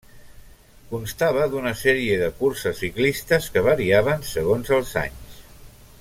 Constava d'una sèrie de curses ciclistes, que variaven segons els anys.